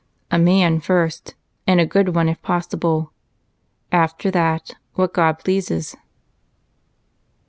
"A man first, and a good one if possible. After that, what God pleases."